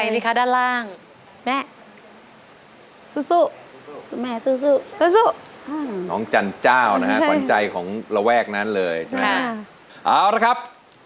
เพราะว่าไม่ได้ร้องเพลงนี้เลยนะครับ